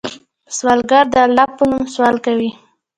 سوالګر د الله په نوم سوال کوي